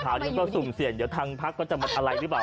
อ่าถามนึงก็สุ่มเสียงเดี๋ยวทางพักก็จะมันอะไรรึเปล่า